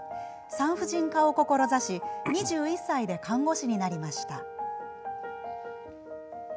産婦人科を志し２１歳で看護師になりました。